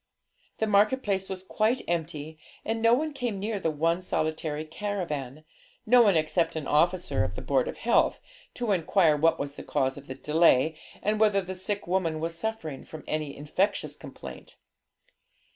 The market place was quite empty, and no one came near the one solitary caravan no one except an officer of the Board of Health, to inquire what was the cause of the delay, and whether the sick woman was suffering from any infectious complaint.